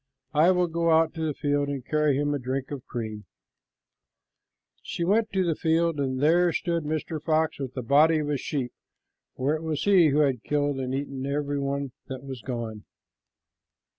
I will go out to the field and carry him a drink of cream." She went to the field, and there stood the fox with the body of a sheep, for it was he who had killed and eaten every one that was gone.